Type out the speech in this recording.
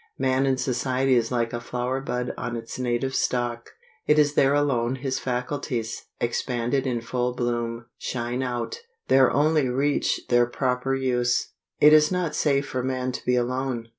Man in society is like a flower bud on its native stalk. It is there alone his faculties, expanded in full bloom, shine out; there only reach their proper use. "It is not safe for man to be alone."